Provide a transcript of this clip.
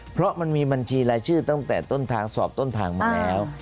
เพราะมันมีบัญชีรายชื่อตั้งแต่ต้นทางสอบต้นทางมาแล้ว